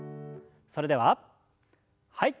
それでははい。